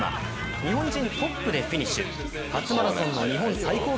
日本人トップでフィニッシュ。